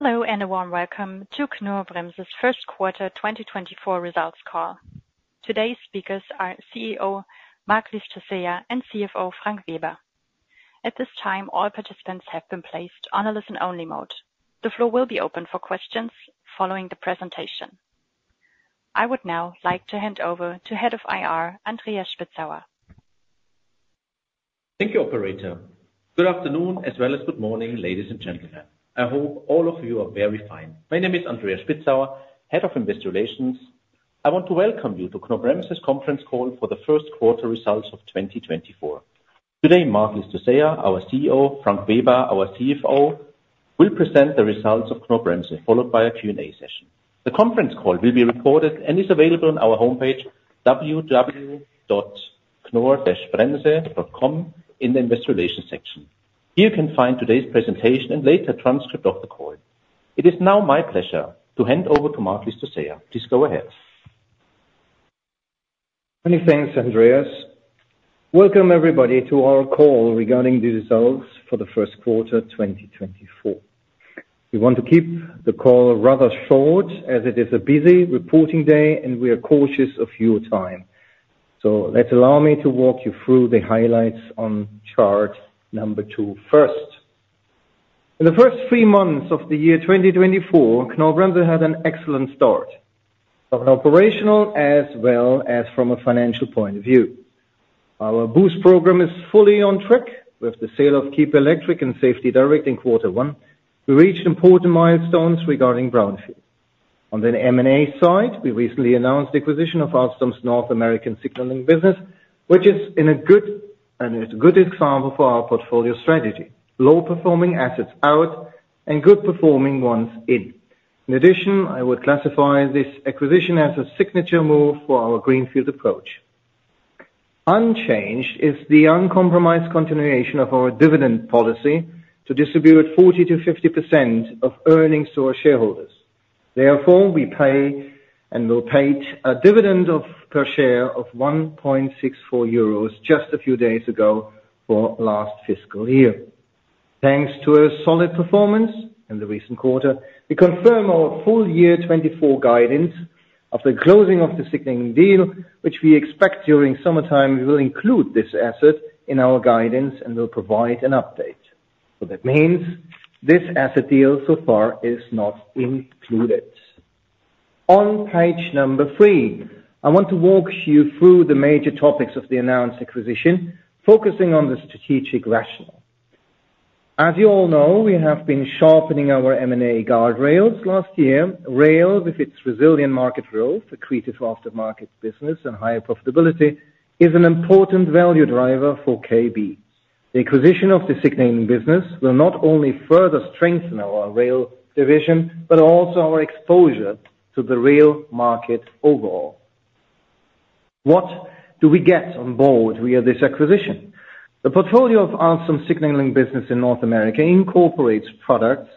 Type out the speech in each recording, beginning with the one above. Hello and a warm welcome to Knorr-Bremse's First Quarter 2024 Results Call. Today's speakers are CEO Marc Llistosella and CFO Frank Weber. At this time, all participants have been placed on a listen-only mode. The floor will be open for questions following the presentation. I would now like to hand over to Head of IR Andreas Spitzauer. Thank you, Operator. Good afternoon as well as good morning, ladies and gentlemen. I hope all of you are very fine. My name is Andreas Spitzauer, Head of Investor Relations. I want to welcome you to Knorr-Bremse's conference call for the first quarter results of 2024. Today, Marc Llistosella, our CEO, Frank Weber, our CFO, will present the results of Knorr-Bremse, followed by a Q&A session. The conference call will be recorded and is available on our homepage, www.knorr-bremse.com, in the Investor Relations section. Here you can find today's presentation and later transcript of the call. It is now my pleasure to hand over to Marc Llistosella. Please go ahead. Many thanks, Andreas. Welcome, everybody, to our call regarding the results for the first quarter 2024. We want to keep the call rather short as it is a busy reporting day and we are cautious of your time. So let's allow me to walk you through the highlights on chart number 2 first. In the first three months of the year 2024, Knorr-Bremse had an excellent start, from an operational as well as from a financial point of view. Our BOOST program is fully on track. With the sale of Kiepe Electric and SafetyDirect in quarter one, we reached important milestones regarding brownfield. On the M&A side, we recently announced the acquisition of Alstom's North American signaling business, which is a good example for our portfolio strategy: low-performing assets out and good-performing ones in. In addition, I would classify this acquisition as a signature move for our greenfield approach. Unchanged is the uncompromised continuation of our dividend policy to distribute 40%-50% of earnings to our shareholders. Therefore, we pay and will pay a dividend per share of 1.64 euros just a few days ago for last fiscal year. Thanks to a solid performance in the recent quarter, we confirm our full year 2024 guidance of the closing of the signaling deal, which we expect during summertime. We will include this asset in our guidance and will provide an update. So that means this asset deal so far is not included. On page number three, I want to walk you through the major topics of the announced acquisition, focusing on the strategic rationale. As you all know, we have been sharpening our M&A guardrails last year. Rail, with its resilient market growth, accretive aftermarket business, and higher profitability, is an important value driver for KB. The acquisition of the signaling business will not only further strengthen our rail division but also our exposure to the rail market overall. What do we get on board via this acquisition? The portfolio of Alstom signaling business in North America incorporates products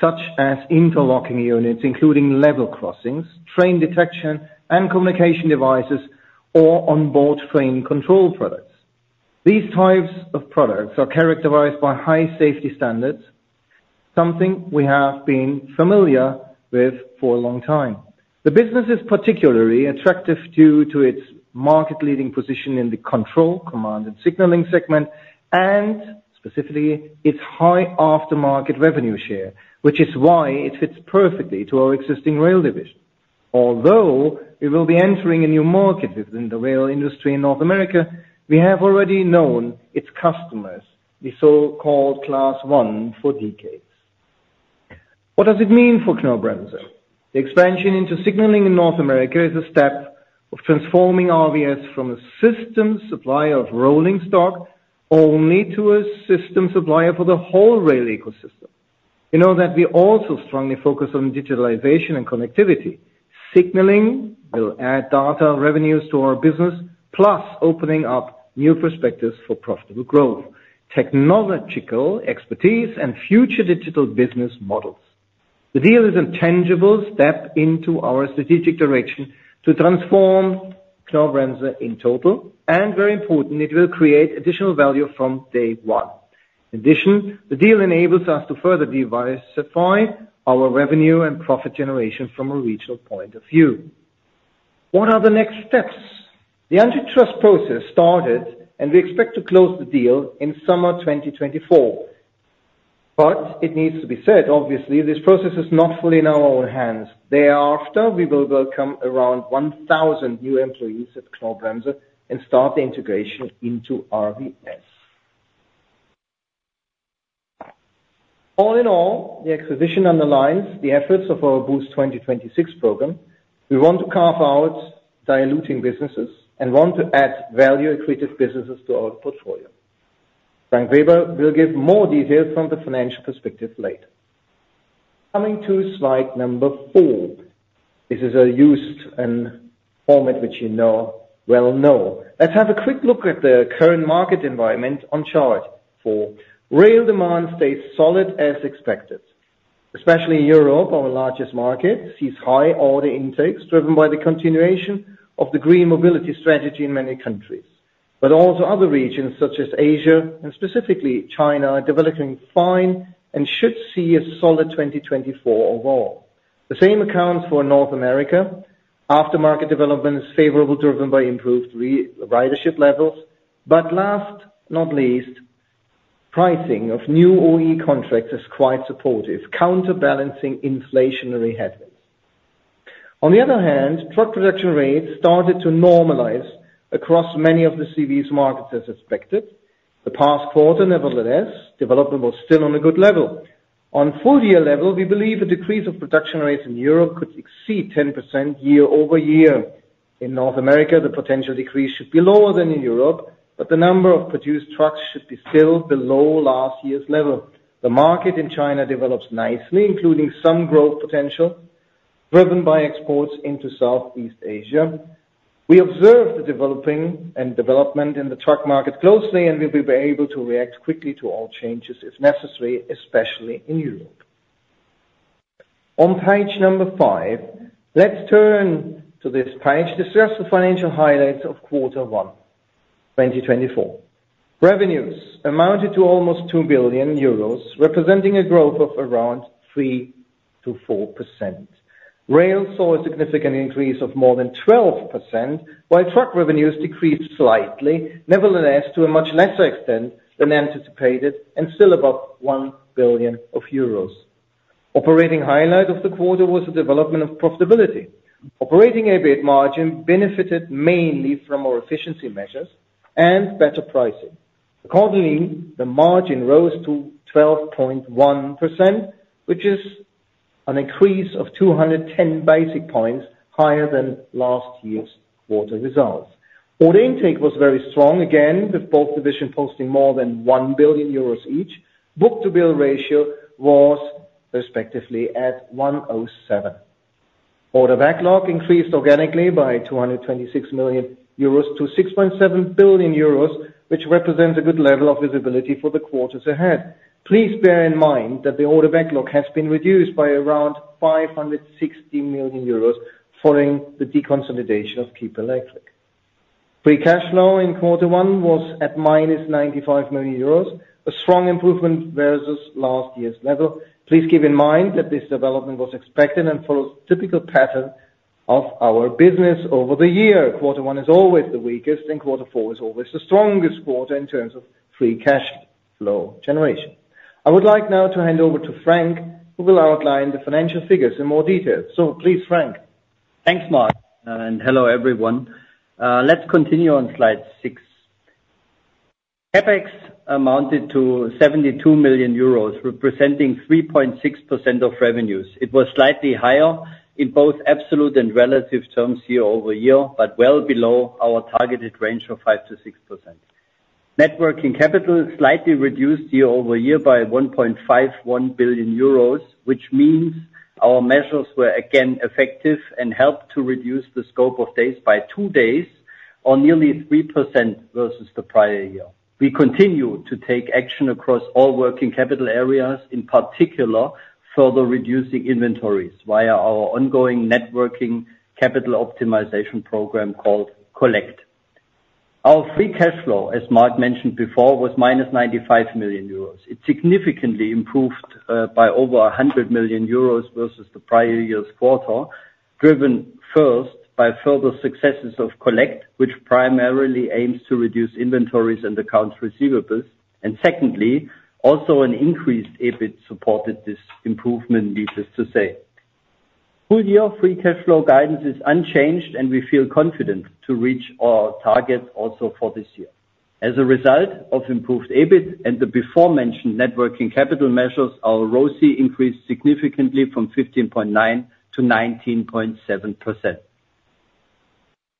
such as interlocking units, including level crossings, train detection, and communication devices, or onboard train control products. These types of products are characterized by high safety standards, something we have been familiar with for a long time. The business is particularly attractive due to its market-leading position in the control, command, and signaling segment, and specifically its high aftermarket revenue share, which is why it fits perfectly to our existing rail division. Although we will be entering a new market within the rail industry in North America, we have already known its customers, the so-called Class I, for decades. What does it mean for Knorr-Bremse? The expansion into signaling in North America is a step of transforming RVS from a systems supplier of rolling stock only to a systems supplier for the whole rail ecosystem. You know that we also strongly focus on digitalization and connectivity. Signaling will add data revenues to our business, plus opening up new perspectives for profitable growth, technological expertise, and future digital business models. The deal is a tangible step into our strategic direction to transform Knorr-Bremse in total and, very important, it will create additional value from day one. In addition, the deal enables us to further diversify our revenue and profit generation from a regional point of view. What are the next steps? The antitrust process started, and we expect to close the deal in summer 2024. But it needs to be said, obviously, this process is not fully in our own hands. Thereafter, we will welcome around 1,000 new employees at Knorr-Bremse and start the integration into RVS. All in all, the acquisition underlines the efforts of our BOOST 2026 program. We want to carve out diluting businesses and want to add value-accretive businesses to our portfolio. Frank Weber will give more details from the financial perspective later. Coming to slide number four. This is a usual format which you now know well. Let's have a quick look at the current market environment on chart four. Rail demand stays solid as expected, especially in Europe, our largest market. Sees high order intakes driven by the continuation of the green mobility strategy in many countries. But also other regions such as Asia and specifically China are developing fine and should see a solid 2024 overall. The same accounts for North America. Aftermarket development is favorable driven by improved ridership levels. But last but not least, pricing of new OE contracts is quite supportive, counterbalancing inflationary headwinds. On the other hand, truck production rates started to normalize across many of the CVS's markets as expected. The past quarter, nevertheless, development was still on a good level. On full-year level, we believe a decrease of production rates in Europe could exceed 10% year-over-year. In North America, the potential decrease should be lower than in Europe, but the number of produced trucks should be still below last year's level. The market in China develops nicely, including some growth potential driven by exports into Southeast Asia. We observe the development in the truck market closely, and we will be able to react quickly to all changes if necessary, especially in Europe. On page number 5, let's turn to this page to discuss the financial highlights of quarter 1 2024. Revenues amounted to almost 2 billion euros, representing a growth of around 3%-4%. Rail saw a significant increase of more than 12%, while truck revenues decreased slightly, nevertheless to a much lesser extent than anticipated and still above 1 billion euros. Operating highlight of the quarter was the development of profitability. Operating EBIT margin benefited mainly from our efficiency measures and better pricing. Accordingly, the margin rose to 12.1%, which is an increase of 210 basis points higher than last year's quarter results. Order intake was very strong, again with both divisions posting more than 1 billion euros each. Book-to-bill ratio was respectively at 107. Order backlog increased organically by 226 million euros to 6.7 billion euros, which represents a good level of visibility for the quarters ahead. Please bear in mind that the order backlog has been reduced by around 560 million euros following the deconsolidation of Kiepe Electric. Free cash flow in quarter one was at -95 million euros, a strong improvement versus last year's level. Please keep in mind that this development was expected and follows typical patterns of our business over the year. Quarter one is always the weakest, and quarter four is always the strongest quarter in terms of free cash flow generation. I would like now to hand over to Frank, who will outline the financial figures in more detail. So please, Frank. Thanks, Marc. Hello, everyone. Let's continue on slide six. CapEx amounted to 72 million euros, representing 3.6% of revenues. It was slightly higher in both absolute and relative terms year-over-year, but well below our targeted range of 5%-6%. Net working capital slightly reduced year-over-year by 1.51 billion euros, which means our measures were again effective and helped to reduce the scope of days by 2 days or nearly 3% versus the prior year. We continue to take action across all working capital areas, in particular further reducing inventories via our ongoing net working capital optimization program called Collect. Our free cash flow, as Marc mentioned before, was -95 million euros. It significantly improved by over 100 million euros versus the prior year's quarter, driven first by further successes of Collect, which primarily aims to reduce inventories and accounts receivables. Secondly, also an increased EBIT supported this improvement, needless to say. Full-year free cash flow guidance is unchanged, and we feel confident to reach our targets also for this year. As a result of improved EBIT and the before-mentioned net working capital measures, our ROCE increased significantly from 15.9%-19.7%.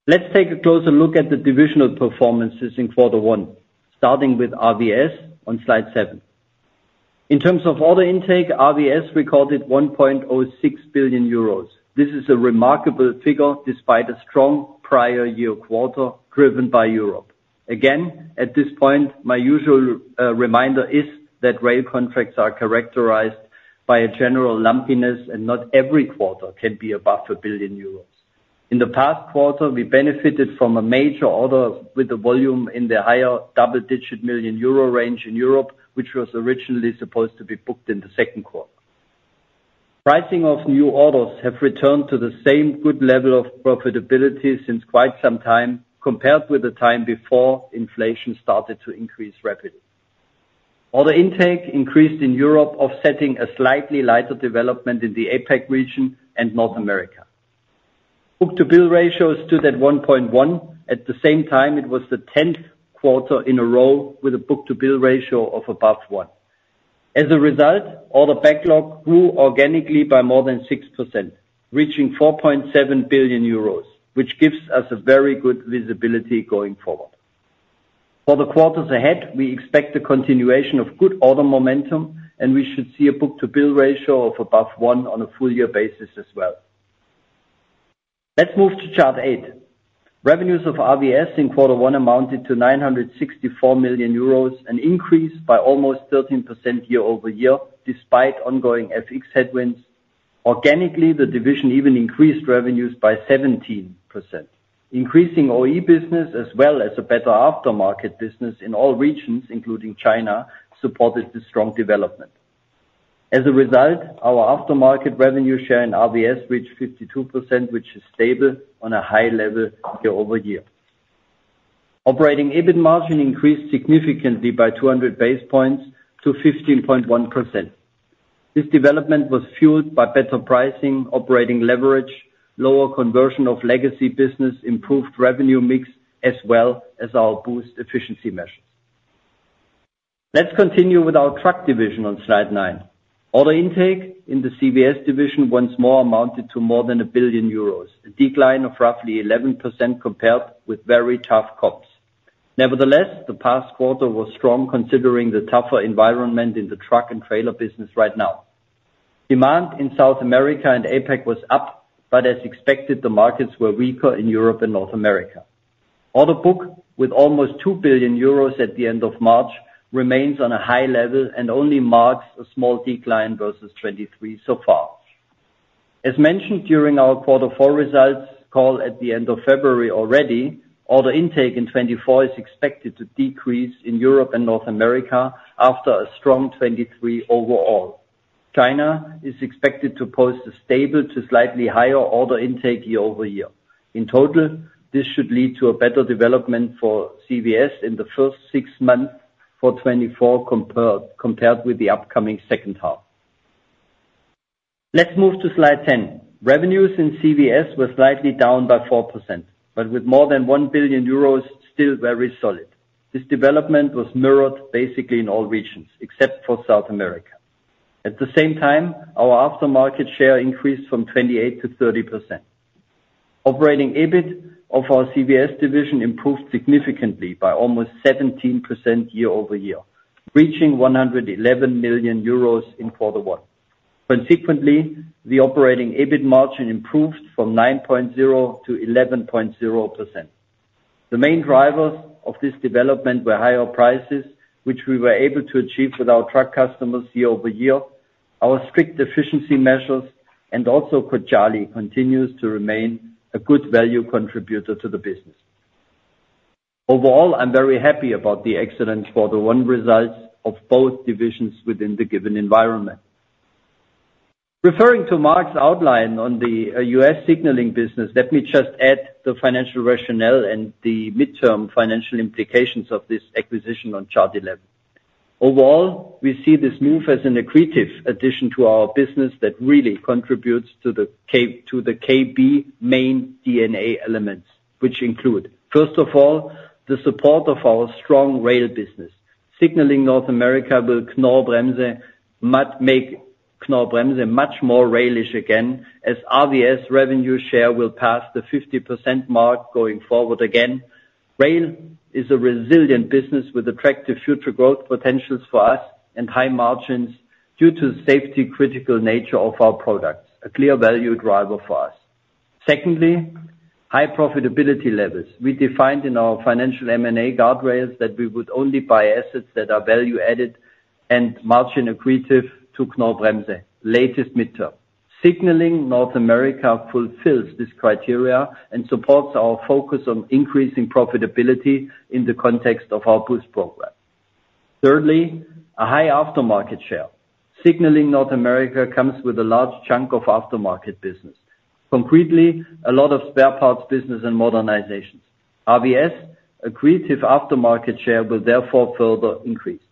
Let's take a closer look at the divisional performances in quarter one, starting with RVS on slide seven. In terms of order intake, RVS recorded 1.06 billion euros. This is a remarkable figure despite a strong prior year quarter driven by Europe. Again, at this point, my usual reminder is that rail contracts are characterized by a general lumpiness, and not every quarter can be above 1 billion euros. In the past quarter, we benefited from a major order with a volume in the higher double-digit million EUR range in Europe, which was originally supposed to be booked in the second quarter. Pricing of new orders has returned to the same good level of profitability since quite some time compared with the time before inflation started to increase rapidly. Order intake increased in Europe, offsetting a slightly lighter development in the APEC region and North America. Book-to-bill ratios stood at 1.1. At the same time, it was the tenth quarter in a row with a book-to-bill ratio of above one. As a result, order backlog grew organically by more than 6%, reaching 4.7 billion euros, which gives us a very good visibility going forward. For the quarters ahead, we expect a continuation of good order momentum, and we should see a book-to-bill ratio of above 1 on a full-year basis as well. Let's move to chart 8. Revenues of RVS in quarter one amounted to 964 million euros, an increase by almost 13% year-over-year despite ongoing FX headwinds. Organically, the division even increased revenues by 17%. Increasing OE business as well as a better aftermarket business in all regions, including China, supported this strong development. As a result, our aftermarket revenue share in RVS reached 52%, which is stable on a high level year-over-year. Operating EBIT margin increased significantly by 200 basis points to 15.1%. This development was fueled by better pricing, operating leverage, lower conversion of legacy business, improved revenue mix, as well as our boost efficiency measures. Let's continue with our truck division on slide 9. Order intake in the CVS division once more amounted to more than 1 billion euros, a decline of roughly 11% compared with very tough comps. Nevertheless, the past quarter was strong considering the tougher environment in the truck and trailer business right now. Demand in South America and APEC was up, but as expected, the markets were weaker in Europe and North America. Order book with almost 2 billion euros at the end of March remains on a high level and only marks a small decline versus 2023 so far. As mentioned during our quarter four results call at the end of February already, order intake in 2024 is expected to decrease in Europe and North America after a strong 2023 overall. China is expected to post a stable to slightly higher order intake year-over-year. In total, this should lead to a better development for CVS in the first six months for 2024 compared with the upcoming second half. Let's move to slide 10. Revenues in CVS were slightly down by 4%, but with more than 1 billion euros still very solid. This development was mirrored basically in all regions except for South America. At the same time, our aftermarket share increased from 28%-30%. Operating EBIT of our CVS division improved significantly by almost 17% year-over-year, reaching 111 million euros in quarter one. Consequently, the operating EBIT margin improved from 9.0%-11.0%. The main drivers of this development were higher prices, which we were able to achieve with our truck customers year-over-year, our strict efficiency measures, and also Cojali continues to remain a good value contributor to the business. Overall, I'm very happy about the excellent quarter one results of both divisions within the given environment. Referring to Marc's outline on the US signaling business, let me just add the financial rationale and the midterm financial implications of this acquisition on chart 11. Overall, we see this move as an accretive addition to our business that really contributes to the KB main DNA elements, which include: first of all, the support of our strong rail business. Signaling North America will make Knorr-Bremse much more railish again as RVS revenue share will pass the 50% mark going forward again. Rail is a resilient business with attractive future growth potentials for us and high margins due to the safety-critical nature of our products, a clear value driver for us. Secondly, high profitability levels. We defined in our financial M&A guardrails that we would only buy assets that are value-added and margin-accretive to Knorr-Bremse, latest midterm. Signaling North America fulfills this criteria and supports our focus on increasing profitability in the context of our BOOST program. Thirdly, a high aftermarket share. Signaling North America comes with a large chunk of aftermarket business. Concretely, a lot of spare parts business and modernizations. RVS accretive aftermarket share will therefore further increase.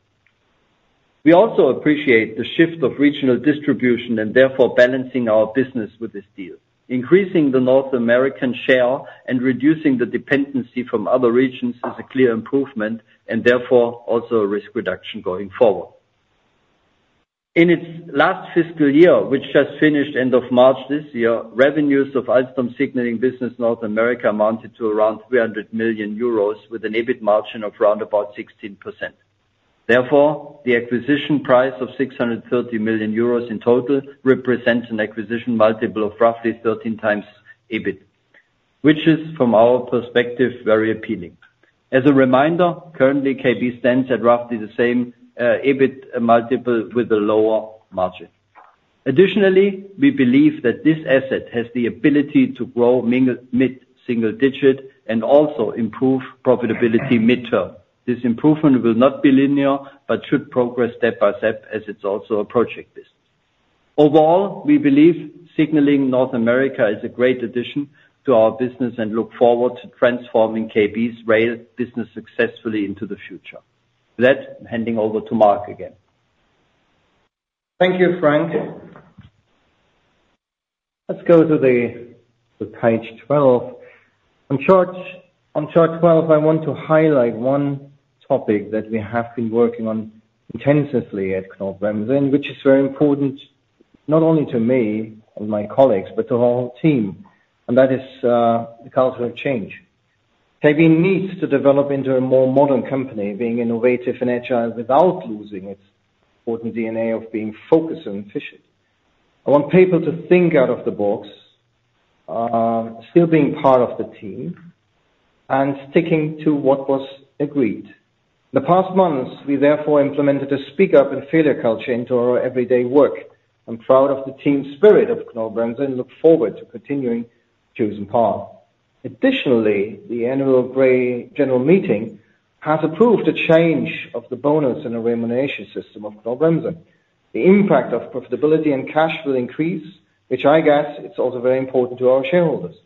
We also appreciate the shift of regional distribution and therefore balancing our business with this deal. Increasing the North American share and reducing the dependency from other regions is a clear improvement and therefore also a risk reduction going forward. In its last fiscal year, which just finished end of March this year, revenues of Alstom signaling business North America amounted to around 300 million euros with an EBIT margin of around about 16%. Therefore, the acquisition price of 630 million euros in total represents an acquisition multiple of roughly 13x EBIT, which is, from our perspective, very appealing. As a reminder, currently KB stands at roughly the same EBIT multiple with a lower margin. Additionally, we believe that this asset has the ability to grow mid-single digit and also improve profitability midterm. This improvement will not be linear but should progress step by step as it's also a project business. Overall, we believe signaling North America is a great addition to our business and look forward to transforming KB's rail business successfully into the future. With that, handing over to Marc again. Thank you, Frank. Let's go to page 12. On chart 12, I want to highlight one topic that we have been working on intensively at Knorr-Bremse, which is very important not only to me and my colleagues but to our whole team. And that is the culture of change. KB needs to develop into a more modern company, being innovative and agile without losing its important DNA of being focused and efficient. I want people to think out of the box, still being part of the team, and sticking to what was agreed. In the past months, we therefore implemented a speak-up and failure culture into our everyday work. I'm proud of the team spirit of Knorr-Bremse and look forward to continuing chosen path. Additionally, the annual general meeting has approved a change of the bonus and the remuneration system of Knorr-Bremse. The impact of profitability and cash will increase, which I guess it's also very important to our shareholders.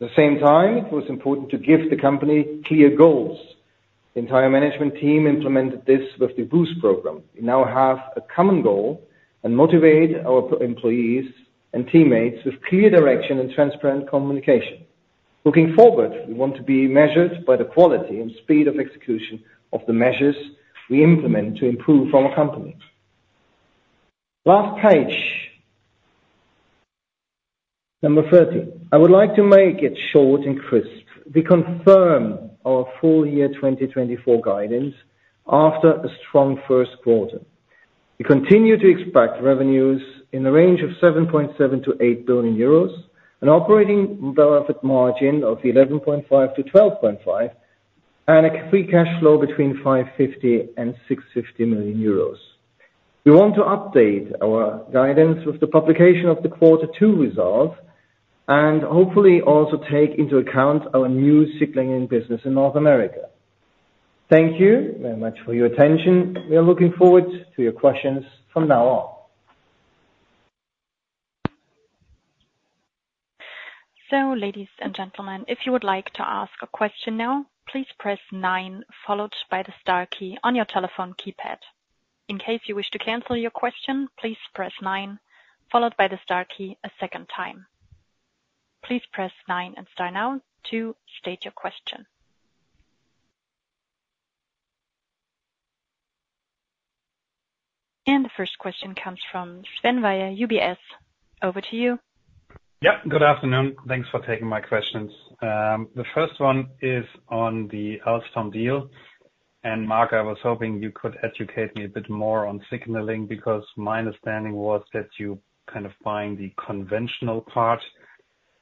At the same time, it was important to give the company clear goals. The entire management team implemented this with the boost program. We now have a common goal and motivate our employees and teammates with clear direction and transparent communication. Looking forward, we want to be measured by the quality and speed of execution of the measures we implement to improve our company. Last page, number 30. I would like to make it short and crisp. We confirm our full-year 2024 guidance after a strong first quarter. We continue to expect revenues in the range of 7.7 billion-8 billion euros, an operating profit margin of 11.5%-12.5%, and a free cash flow between 550 million and 650 million euros. We want to update our guidance with the publication of the quarter two results and hopefully also take into account our new signaling business in North America. Thank you very much for your attention. We are looking forward to your questions from now on. So, ladies and gentlemen, if you would like to ask a question now, please press nine followed by the star key on your telephone keypad. In case you wish to cancel your question, please press nine followed by the star key a second time. Please press nine and star now to state your question. The first question comes from Sven Weier, UBS. Over to you. Yep. Good afternoon. Thanks for taking my questions. The first one is on the Alstom deal. And Marc, I was hoping you could educate me a bit more on signaling because my understanding was that you're kind of buying the conventional part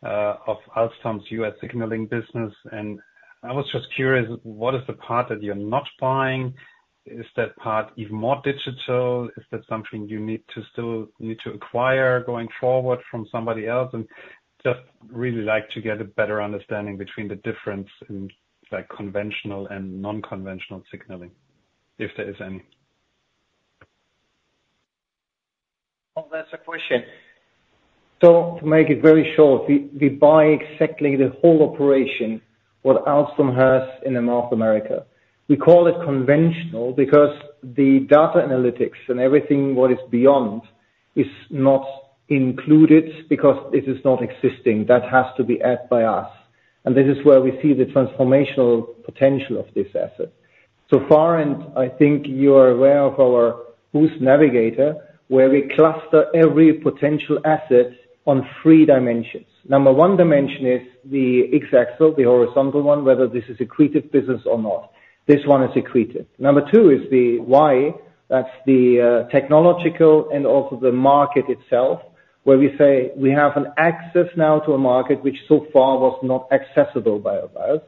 of Alstom's U.S. signaling business. And I was just curious, what is the part that you're not buying? Is that part even more digital? Is that something you still need to acquire going forward from somebody else? And just really like to get a better understanding between the difference in conventional and non-conventional signaling, if there is any. Oh, that's a question. So to make it very short, we buy exactly the whole operation what Alstom has in North America. We call it conventional because the data analytics and everything what is beyond is not included because it is not existing. That has to be added by us. And this is where we see the transformational potential of this asset. So far, and I think you are aware of our boost navigator, where we cluster every potential asset on three dimensions. Number one dimension is the X-axis, the horizontal one, whether this is accretive business or not. This one is accretive. Number two is the Y. That's the technological and also the market itself, where we say we have an access now to a market which so far was not accessible by our buyers.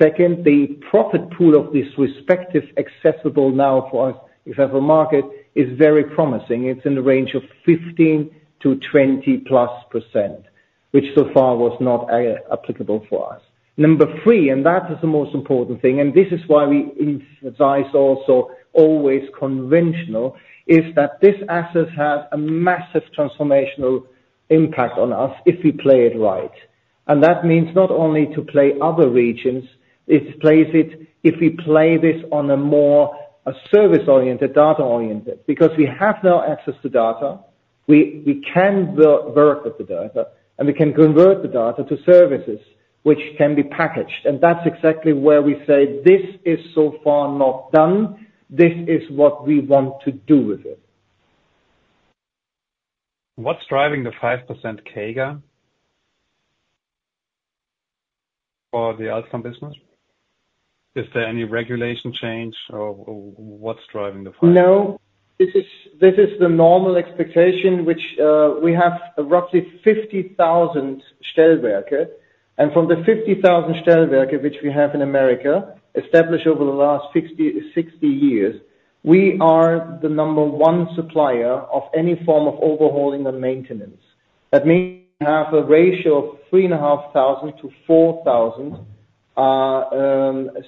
Second, the profit pool of this respective accessible now for us, example, market is very promising. It's in the range of 15%-20%+, which so far was not applicable for us. Number three, and that is the most important thing, and this is why we advise also always conventional, is that this asset has a massive transformational impact on us if we play it right. And that means not only to play other regions. It plays it if we play this on a more service-oriented, data-oriented because we have now access to data. We can work with the data, and we can convert the data to services, which can be packaged. And that's exactly where we say this is so far not done. This is what we want to do with it. What's driving the 5% CAGR for the Alstom business? Is there any regulation change, or what's driving the 5%? No. This is the normal expectation, which we have roughly 50,000 Stellwerke. And from the 50,000 Stellwerke, which we have in America, established over the last 60 years, we are the number one supplier of any form of overhauling and maintenance. That means we have a ratio of 3,500-4,000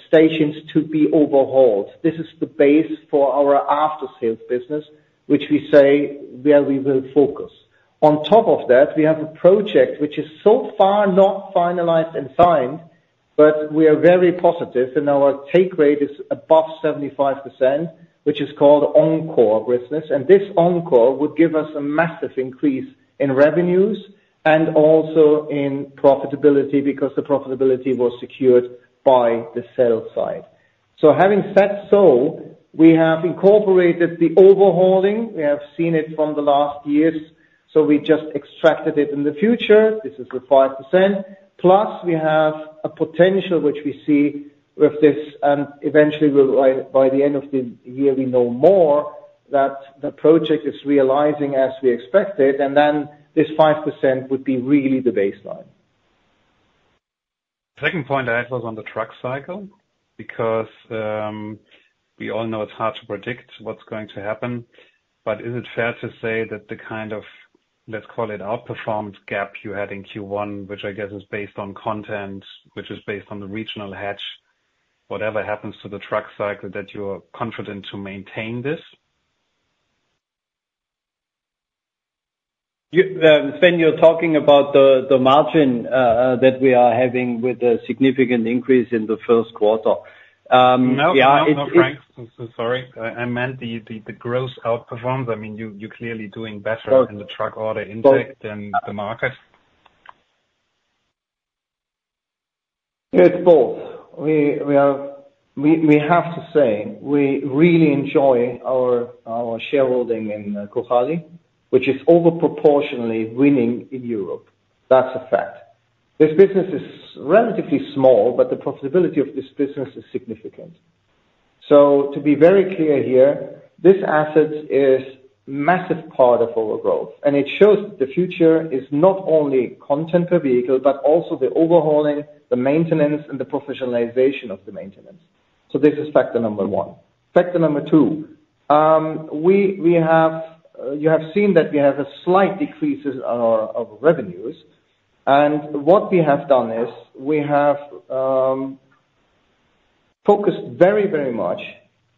stations to be overhauled. This is the base for our after-sales business, which we say where we will focus. On top of that, we have a project which is so far not finalized and signed, but we are very positive, and our take rate is above 75%, which is called encore business. And this encore would give us a massive increase in revenues and also in profitability because the profitability was secured by the sales side. So having said so, we have incorporated the overhauling. We have seen it from the last years. So we just extracted it in the future. This is the 5%. Plus, we have a potential which we see with this eventually. By the end of the year, we know more that the project is realizing as we expected. And then this 5% would be really the baseline. Second point I had was on the truck cycle because we all know it's hard to predict what's going to happen. But is it fair to say that the kind of, let's call it, outperformance gap you had in Q1, which I guess is based on content, which is based on the regional mix, whatever happens to the truck cycle, that you're confident to maintain this? Sven, you're talking about the margin that we are having with a significant increase in the first quarter. Yeah, it's. No, no, no, Frank. Sorry. I meant the gross outperformed. I mean, you're clearly doing better in the truck order intake than the market. It's both. We have to say we really enjoy our shareholding in Cojali, which is overproportionately winning in Europe. That's a fact. This business is relatively small, but the profitability of this business is significant. So to be very clear here, this asset is a massive part of our growth. And it shows that the future is not only content per vehicle but also the overhauling, the maintenance, and the professionalization of the maintenance. So this is factor number one. Factor number two, you have seen that we have a slight decrease in our revenues. And what we have done is we have focused very, very much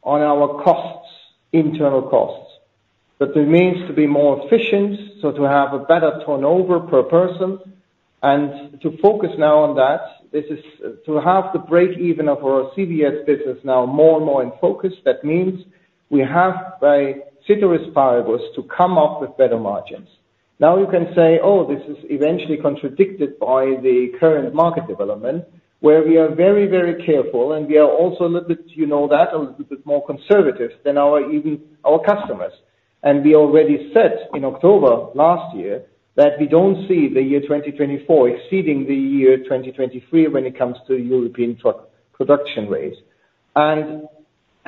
on our costs, internal costs. But it means to be more efficient, so to have a better turnover per person. And to focus now on that, this is to have the break-even of our CVS business now more and more in focus. That means we have by CITRIS-PYRO was to come up with better margins. Now you can say, "Oh, this is eventually contradicted by the current market development," where we are very, very careful, and we are also a little bit you know that, a little bit more conservative than our customers. We already said in October last year that we don't see the year 2024 exceeding the year 2023 when it comes to European truck production rates.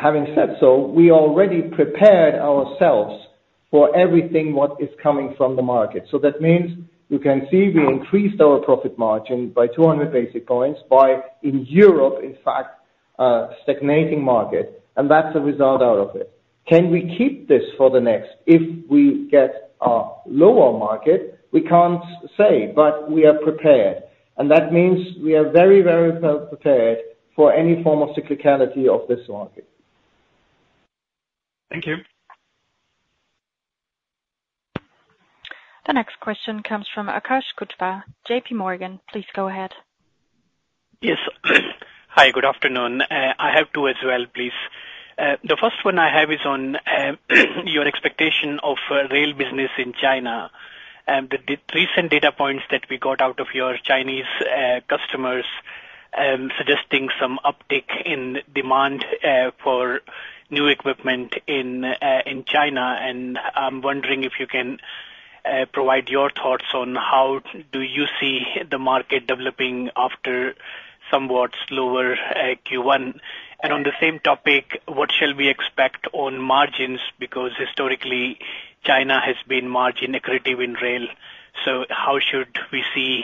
Having said so, we already prepared ourselves for everything what is coming from the market. So that means you can see we increased our profit margin by 200 basis points by, in Europe, in fact, stagnating market. That's the result out of it. Can we keep this for the next if we get a lower market? We can't say, but we are prepared. That means we are very, very well prepared for any form of cyclicality of this market. Thank you. The next question comes from Akash Gupta, JPMorgan. Please go ahead. Yes. Hi. Good afternoon. I have two as well, please. The first one I have is on your expectation of rail business in China. The recent data points that we got out of your Chinese customers suggesting some uptick in demand for new equipment in China. And I'm wondering if you can provide your thoughts on how do you see the market developing after somewhat slower Q1. And on the same topic, what shall we expect on margins because historically, China has been margin accretive in rail. So how should we see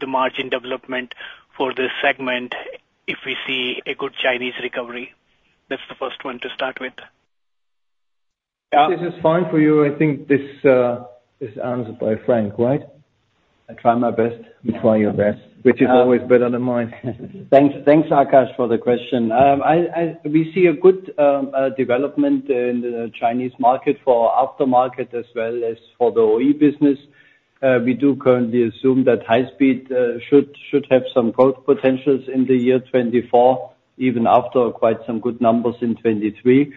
the margin development for this segment if we see a good Chinese recovery? That's the first one to start with. This is fine for you. I think this answered by Frank, right? I try my best. We try your best, which is always better than mine. Thanks, Akash, for the question. We see a good development in the Chinese market for aftermarket as well as for the OE business. We do currently assume that high-speed should have some growth potentials in the year 2024, even after quite some good numbers in 2023.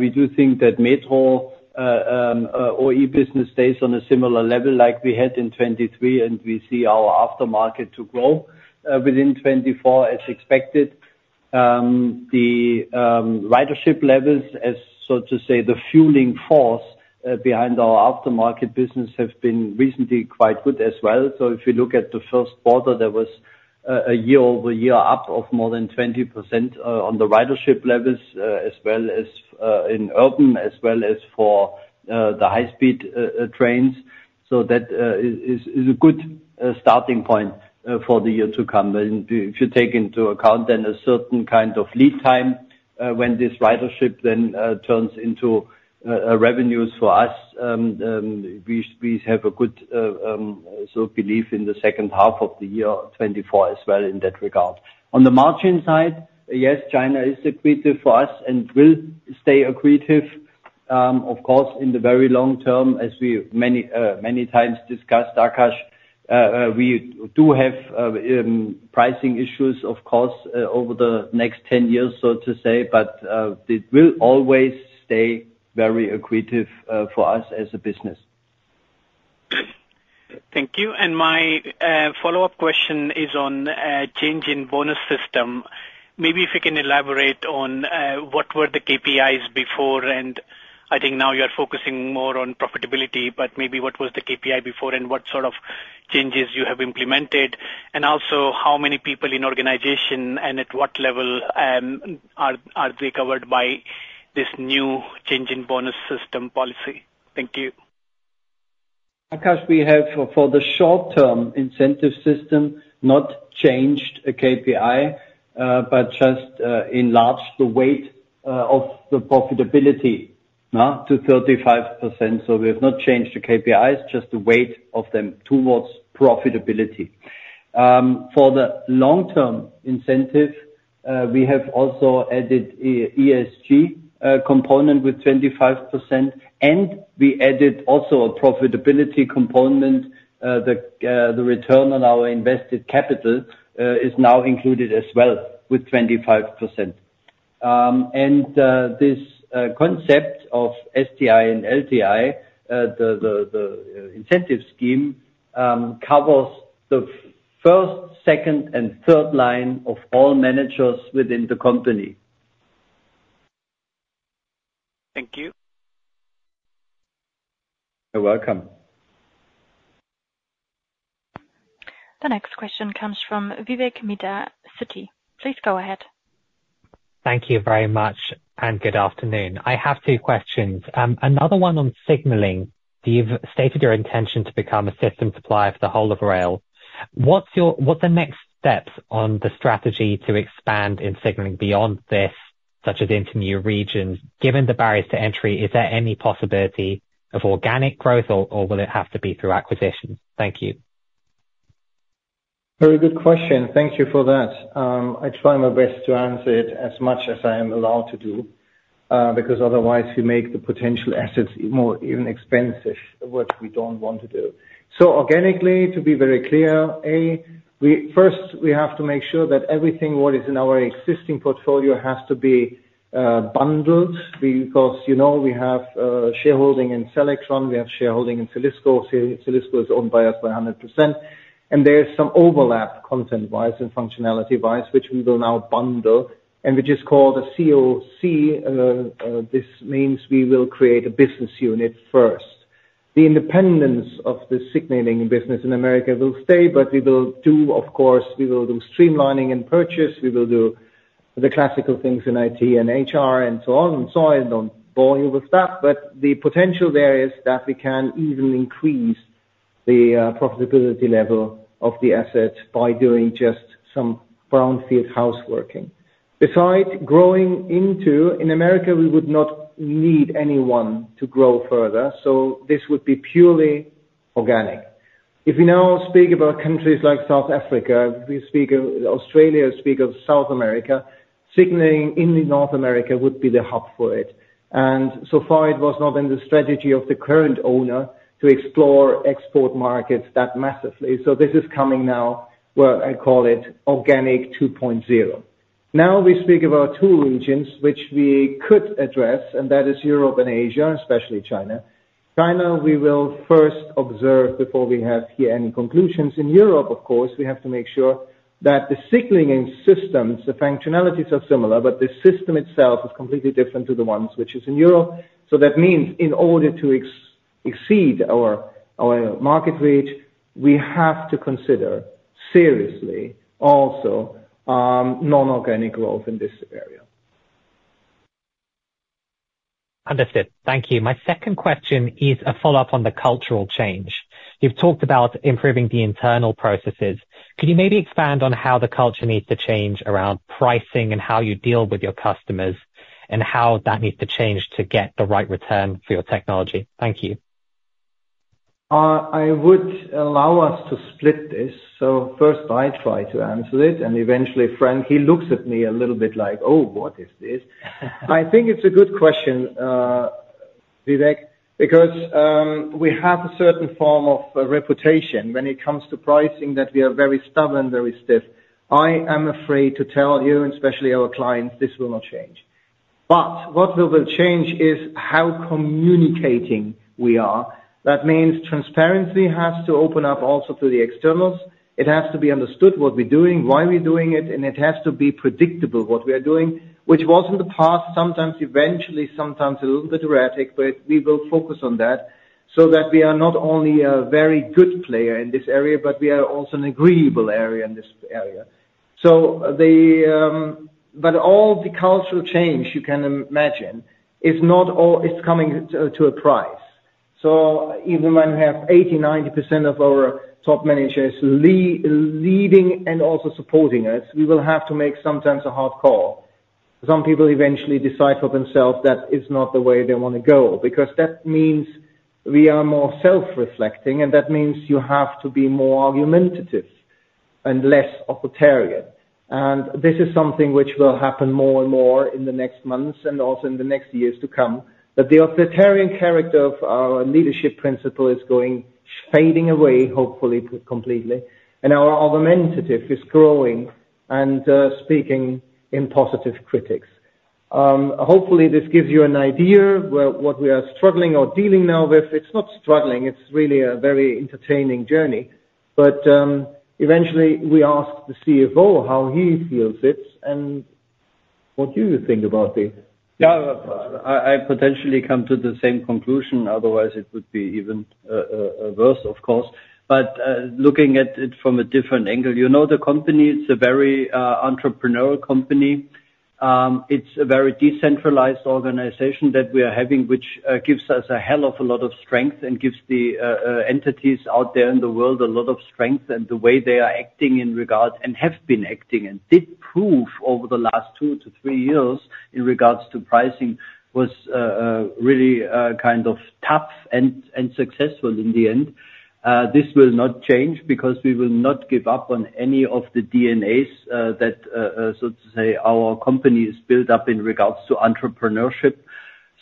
We do think that metro OE business stays on a similar level like we had in 2023, and we see our aftermarket to grow within 2024 as expected. The ridership levels, as so to say, the fueling force behind our aftermarket business have been recently quite good as well. So if you look at the first quarter, there was a year-over-year up of more than 20% on the ridership levels as well as in urban, as well as for the high-speed trains. So that is a good starting point for the year to come. And if you take into account then a certain kind of lead time when this ridership then turns into revenues for us, we have a good belief in the second half of the year 2024 as well in that regard. On the margin side, yes, China is accretive for us and will stay accretive, of course, in the very long term. As we many times discussed, Akash, we do have pricing issues, of course, over the next 10 years, so to say. But it will always stay very accretive for us as a business. Thank you. My follow-up question is on change in bonus system. Maybe if you can elaborate on what were the KPIs before? I think now you are focusing more on profitability. Maybe what was the KPI before and what sort of changes you have implemented? Also, how many people in organization and at what level are they covered by this new change in bonus system policy? Thank you. Akash, we have, for the short-term incentive system, not changed a KPI but just enlarged the weight of the profitability to 35%. So we have not changed the KPIs, just the weight of them towards profitability. For the long-term incentive, we have also added an ESG component with 25%. And we added also a profitability component. The return on our invested capital is now included as well with 25%. And this concept of STI and LTI, the incentive scheme, covers the first, second, and third line of all managers within the company. Thank you. You're welcome. The next question comes from Vivek Midha, Citi. Please go ahead. Thank you very much, and good afternoon. I have two questions. Another one on signaling. You've stated your intention to become a system supplier for the whole of rail. What's the next steps on the strategy to expand in signaling beyond this, such as into new regions? Given the barriers to entry, is there any possibility of organic growth, or will it have to be through acquisitions? Thank you. Very good question. Thank you for that. I try my best to answer it as much as I am allowed to do because otherwise, we make the potential assets even more expensive, which we don't want to do. So organically, to be very clear, first, we have to make sure that everything what is in our existing portfolio has to be bundled because we have shareholding in Selectron. We have shareholding in Zelisko. Zelisko is owned by us by 100%. And there's some overlap content-wise and functionality-wise, which we will now bundle, and which is called a COC. This means we will create a business unit first. The independence of the signaling business in America will stay, but we will do of course, we will do streamlining and purchase. We will do the classical things in IT and HR and so on and so on. I don't bore you with that. But the potential there is that we can even increase the profitability level of the asset by doing just some brownfield housekeeping. Besides growing into, in America, we would not need anyone to grow further. So this would be purely organic. If we now speak about countries like South Africa, Australia speak of South America, signaling in North America would be the hub for it. And so far, it was not in the strategy of the current owner to explore export markets that massively. So this is coming now, what I call it, organic 2.0. Now we speak about two regions, which we could address, and that is Europe and Asia, especially China. China, we will first observe before we have here any conclusions. In Europe, of course, we have to make sure that the signaling systems, the functionalities are similar, but the system itself is completely different to the ones which is in Europe. So that means in order to exceed our market reach, we have to consider seriously also non-organic growth in this area. Understood. Thank you. My second question is a follow-up on the cultural change. You've talked about improving the internal processes. Could you maybe expand on how the culture needs to change around pricing and how you deal with your customers and how that needs to change to get the right return for your technology? Thank you. I would allow us to split this. So first, I try to answer it. And eventually, Frank, he looks at me a little bit like, "Oh, what is this?" I think it's a good question, Vivek, because we have a certain form of reputation when it comes to pricing that we are very stubborn, very stiff. I am afraid to tell you, and especially our clients, this will not change. But what will change is how communicating we are. That means transparency has to open up also to the externals. It has to be understood what we're doing, why we're doing it, and it has to be predictable, what we are doing, which was in the past sometimes eventually, sometimes a little bit erratic. But we will focus on that so that we are not only a very good player in this area, but we are also an agreeable area in this area. But all the cultural change, you can imagine, is coming to a price. So even when we have 80%-90% of our top managers leading and also supporting us, we will have to make sometimes a hard call. Some people eventually decide for themselves that is not the way they want to go because that means we are more self-reflecting, and that means you have to be more argumentative and less authoritarian. And this is something which will happen more and more in the next months and also in the next years to come. But the authoritarian character of our leadership principle is fading away, hopefully completely. And our argumentative is growing and speaking in positive critics. Hopefully, this gives you an idea what we are struggling or dealing now with. It's not struggling. It's really a very entertaining journey. But eventually, we ask the CFO how he feels it. And what do you think about this? Yeah. I potentially come to the same conclusion. Otherwise, it would be even worse, of course. But looking at it from a different angle, the company, it's a very entrepreneurial company. It's a very decentralized organization that we are having, which gives us a hell of a lot of strength and gives the entities out there in the world a lot of strength. And the way they are acting in regard and have been acting and did prove over the last two-three years in regards to pricing was really kind of tough and successful in the end. This will not change because we will not give up on any of the DNAs, so to say, our company is built up in regards to entrepreneurship.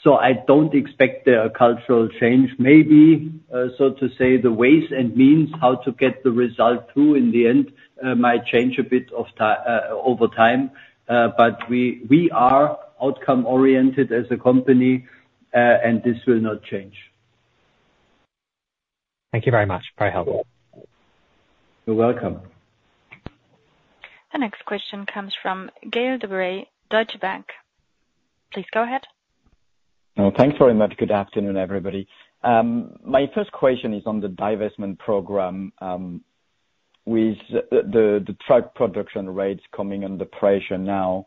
So I don't expect there a cultural change. Maybe, so to say, the ways and means how to get the result through in the end might change a bit over time. But we are outcome-oriented as a company, and this will not change. Thank you very much. Very helpful. You're welcome. The next question comes from Gael de Bray, Deutsche Bank. Please go ahead. Thanks very much. Good afternoon, everybody. My first question is on the divestment program with the truck production rates coming under pressure now.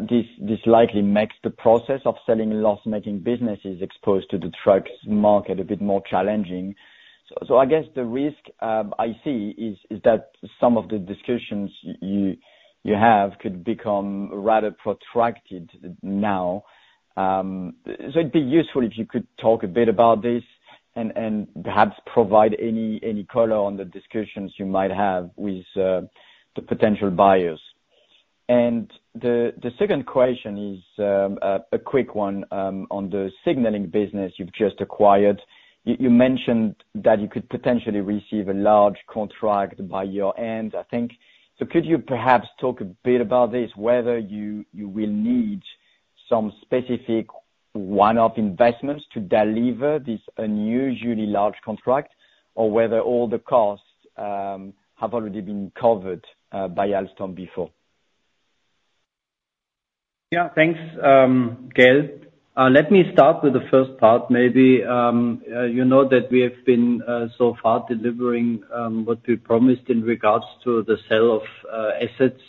This likely makes the process of selling loss-making businesses exposed to the truck market a bit more challenging. So I guess the risk I see is that some of the discussions you have could become rather protracted now. So it'd be useful if you could talk a bit about this and perhaps provide any color on the discussions you might have with the potential buyers. And the second question is a quick one on the signaling business you've just acquired. You mentioned that you could potentially receive a large contract by year-end, I think. Could you perhaps talk a bit about this, whether you will need some specific one-off investments to deliver this unusually large contract or whether all the costs have already been covered by Alstom before? Yeah. Thanks, Gael. Let me start with the first part, maybe. You know that we have been so far delivering what we promised in regards to the sale of assets.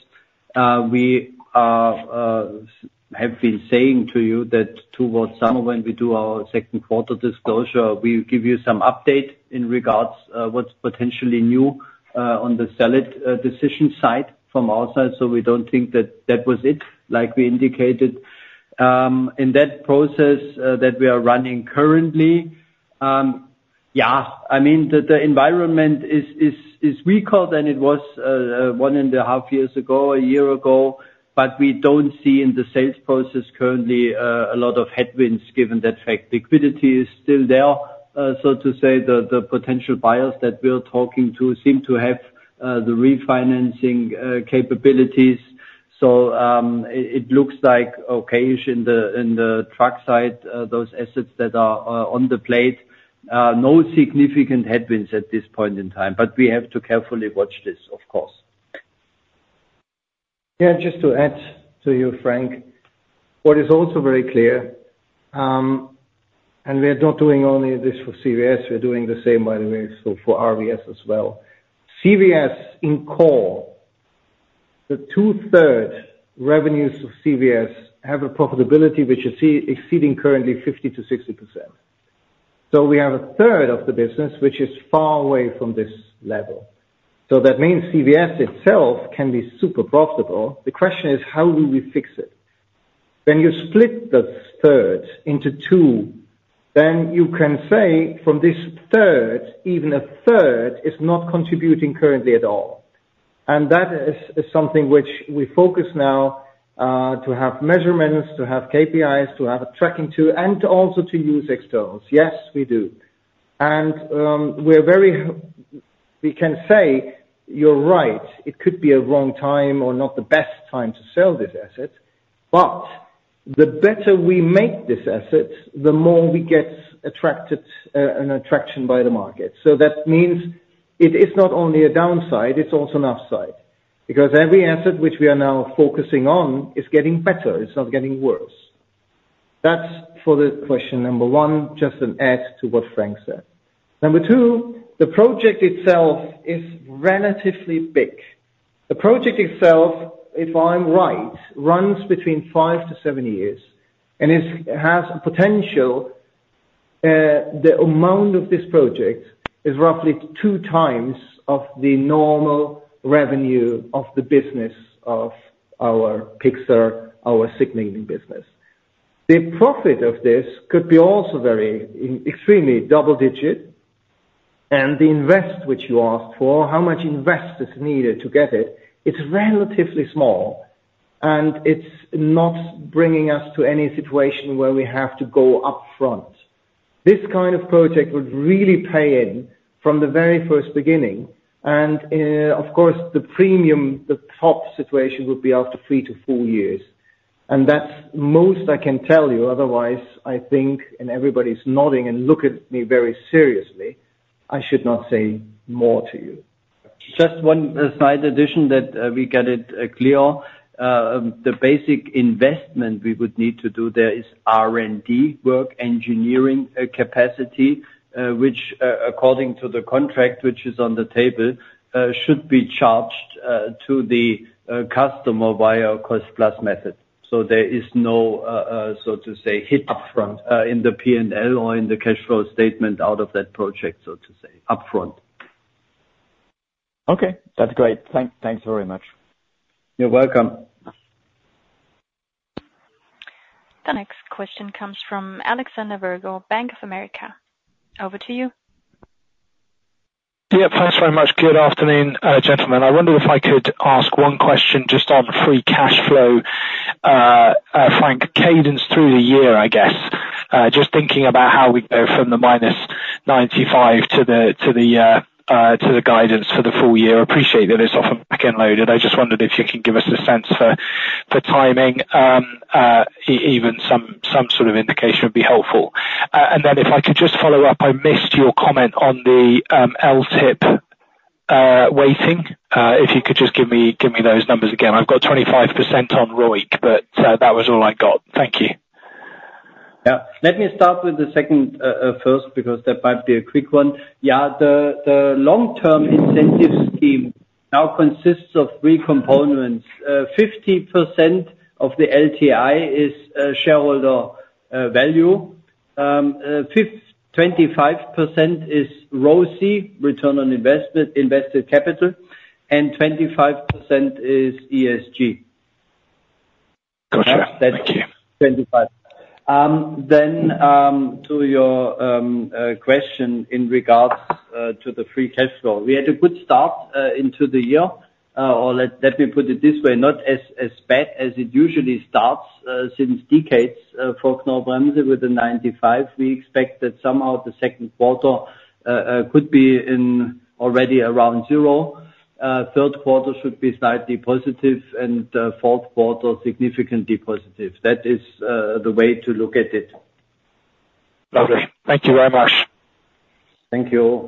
We have been saying to you that towards summer, when we do our second quarter disclosure, we'll give you some update in regards to what's potentially new on the sell-off decision side from our side. So we don't think that that was it, like we indicated. In that process that we are running currently, yeah, I mean, the environment is weaker than it was 1.5 years ago, one year ago. But we don't see in the sales process currently a lot of headwinds given that fact. Liquidity is still there, so to say. The potential buyers that we're talking to seem to have the refinancing capabilities. So it looks like, okay, in the truck side, those assets that are on the plate, no significant headwinds at this point in time. But we have to carefully watch this, of course. Yeah. Just to add to you, Frank, what is also very clear, and we are not doing only this for CVS. We're doing the same, by the way, for RVS as well. CVS in core, the two-thirds revenues of CVS have a profitability which is exceeding currently 50%-60%. So we have a third of the business which is far away from this level. So that means CVS itself can be super profitable. The question is, how do we fix it? When you split those thirds into two, then you can say from this third, even a third is not contributing currently at all. And that is something which we focus now to have measurements, to have KPIs, to have a tracking to, and also to use externals. Yes, we do. And we can say, "You're right. It could be a wrong time or not the best time to sell this asset. But the better we make this asset, the more we get an attraction by the market." So that means it is not only a downside. It's also an upside because every asset which we are now focusing on is getting better. It's not getting worse. That's for the question number one, just an add to what Frank said. Number two, the project itself is relatively big. The project itself, if I'm right, runs between five-seven years and has a potential the amount of this project is roughly two times of the normal revenue of the business of our RVS, our signaling business. The profit of this could be also extremely double-digit. The invest which you asked for, how much invest is needed to get it, it's relatively small. It's not bringing us to any situation where we have to go upfront. This kind of project would really pay in from the very first beginning. Of course, the premium, the top situation would be after three-four years. That's most I can tell you. Otherwise, I think, and everybody's nodding and look at me very seriously, I should not say more to you. Just one side addition that we get it clear. The basic investment we would need to do there is R&D work, engineering capacity, which according to the contract which is on the table, should be charged to the customer via cost-plus method. So there is no, so to say, hit upfront in the P&L or in the cash flow statement out of that project, so to say, upfront. Okay. That's great. Thanks very much. You're welcome. The next question comes from Alexander Virgo, Bank of America. Over to you. Yeah. Thanks very much. Good afternoon, gentlemen. I wondered if I could ask one question just on free cash flow, Frank, cadence through the year, I guess, just thinking about how we go from the -95 to the guidance for the full year. Appreciate that it's often back-end loaded. I just wondered if you can give us a sense for timing. Even some sort of indication would be helpful. And then if I could just follow up, I missed your comment on the LTIP weighting. If you could just give me those numbers again. I've got 25% on ROIC, but that was all I got. Thank you. Yeah. Let me start with the second first because that might be a quick one. Yeah. The long-term incentive scheme now consists of three components. 50% of the LTI is shareholder value. 25% is ROIC, return on invested capital, and 25% is ESG. Gotcha. Thank you. Then to your question in regards to the free cash flow, we had a good start into the year. Or let me put it this way, not as bad as it usually starts since decades. For Knorr-Bremse with the 95, we expect that somehow the second quarter could be already around zero. Third quarter should be slightly positive, and fourth quarter significantly positive. That is the way to look at it. Lovely. Thank you very much. Thank you.